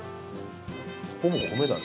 ほぼ米だね。